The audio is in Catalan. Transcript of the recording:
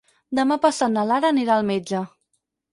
Demà passat na Lara anirà al metge.